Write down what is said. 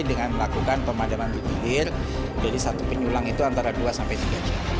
dengan melakukan pemadaman di pinggir dari satu penyulang itu antara dua sampai tiga jam